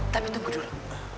tapi tunggu dulu